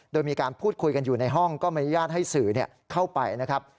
โดยมีการพูดคุยกันอยู่ในห้องก็ไม่อนุญาตให้สื่อเข้าไปนะครับ